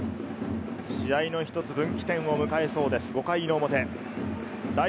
試合の分岐点を迎えそうです、５回の表。